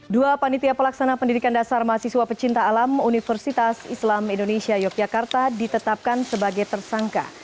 dua panitia pelaksana pendidikan dasar mahasiswa pecinta alam universitas islam indonesia yogyakarta ditetapkan sebagai tersangka